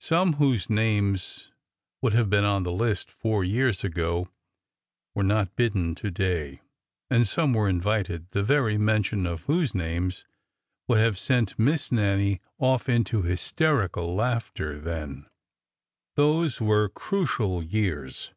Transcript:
Some whose names would have been on the list four years ago were not bidden to day, and some were invited the very mention of whose names would have sent Miss Nannie off into hysterical laughter then. Those 414 ORDER NO. 11 were crucial years.